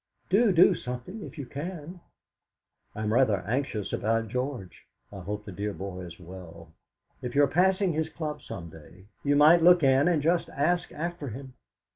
Do do something, if you can. I am rather anxious about George. I hope the dear boy is well. If you are passing his club some day you might look in and just ask after him.